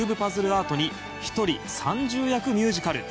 アートに１人３０役ミュージカル